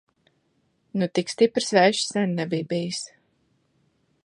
Nu tik stiprs vējš sen nebija bijis!